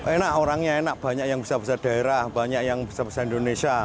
enak orangnya enak banyak yang besar besar daerah banyak yang besar besar indonesia